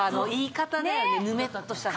ぬめっとした感じ。